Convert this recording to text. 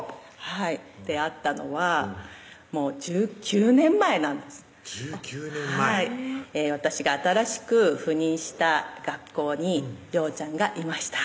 はい出会ったのはもう１９年前なんです１９年前はい私が新しく赴任した学校に洋ちゃんがいました